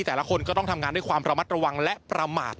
แต่ละคนก็ต้องทำงานด้วยความระมัดระวังและประมาท